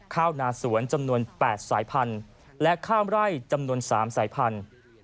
ข้าวนาสวนจำนวน๘สายพันธุ์และข้ามไร่จำนวน๓สายพันธุ์